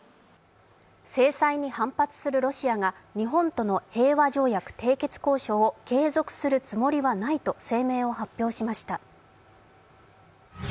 制裁に反発するロシアが日本との平和条約交渉を継続するつもりはないと声明を発表しました。